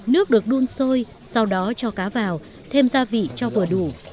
nước được đun sôi sau đó cho cá vào thêm gia vị cho vừa đủ